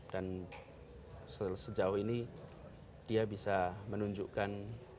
dan sejauh ini dia bisa menunjukkan